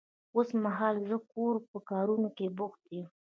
اوس مهال زه د کور په کارونه کې بوخت يم.